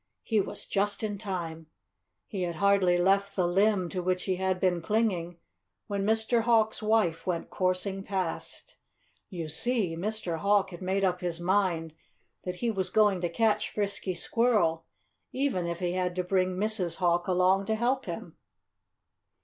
He was just in time. He had hardly left the limb to which he had been clinging when Mr. Hawk's wife went coursing past. You see, Mr. Hawk had made up his mind that he was going to catch Frisky Squirrel, even if he had to bring Mrs. Hawk along to help him.